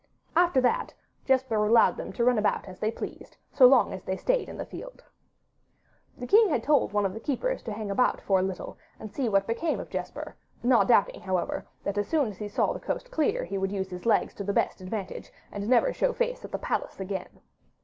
After that, Jesper allowed them to run about as they pleased, so long as they stayed in the field. The king had told one of the keepers to hang about for a little and see what became of Jesper, not doubting, however, that as soon as he saw the coast clear he would use his legs to the best advantage, and never show face at the palace again.